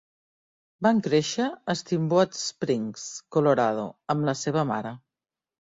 Van créixer a Steamboat Springs, Colorado, amb la seva mare.